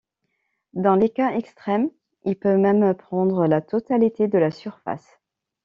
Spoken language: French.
Dans les cas extrêmes il peut même prendre la totalité de la surface.